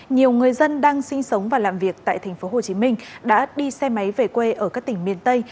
nhiều người dân đang sinh sống và làm việc tại tp hcm đã đi xe máy về quê ở các tỉnh miền tây